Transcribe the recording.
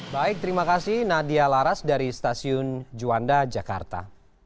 baik terima kasih nadia laras dari stasiun juanda jakarta